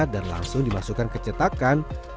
dan langsung dimasukkan ke cetakan